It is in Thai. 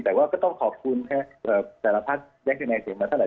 แต่ว่าก็ต้องขอบคุณแต่ละภัทรยักษณะเสียงมาเท่าไหร่